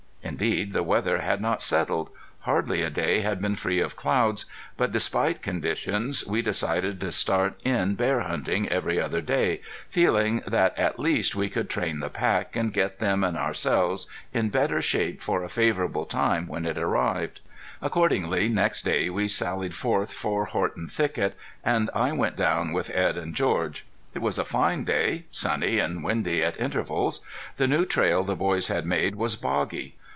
Indeed the weather had not settled; hardly a day had been free of clouds. But despite conditions we decided to start in bear hunting every other day, feeling that at least we could train the pack, and get them and ourselves in better shape for a favorable time when it arrived. Accordingly next day we sallied forth for Horton Thicket, and I went down with Edd and George. It was a fine day, sunny and windy at intervals. The new trail the boys had made was boggy.